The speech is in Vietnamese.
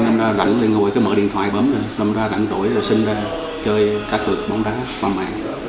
năm ra rảnh thì ngồi mở điện thoại bấm lên năm ra rảnh rỗi rồi xin ra chơi cá tược bóng đá qua mạng